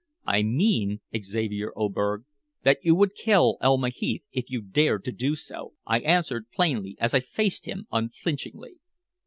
"I mean, Xavier Oberg, that you would kill Elma Heath if you dared to do so," I answered plainly, as I faced him unflinchingly.